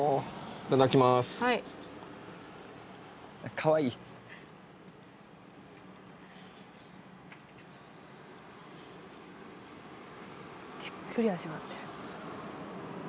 おおはい・じっくり味わってる